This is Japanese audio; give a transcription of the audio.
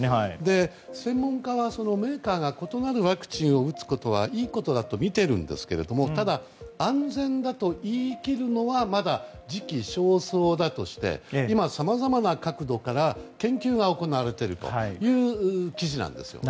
専門家は、メーカーが異なるワクチンを打つことはいいことだとみているんですけどただ、安全だと言い切るのはまだ時期尚早だとして今、さまざまな角度から研究が行われているということです。